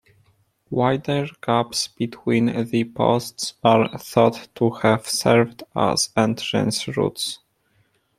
Wider gaps between the posts are thought to have served as entrance routes.